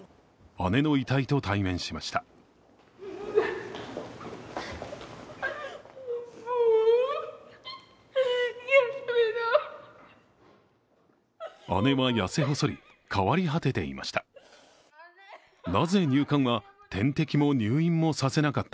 姉は痩せ細り変わり果てていました。